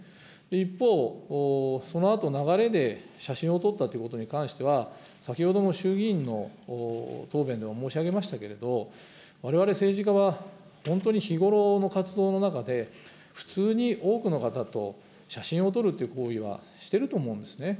一方、そのあと流れで写真を撮ったということに関しては、先ほども衆議院の答弁でも申し上げましたけども、われわれ政治家は、本当に日頃の活動の中で、普通に多くの方と写真を撮るという行為はしてると思うんですね。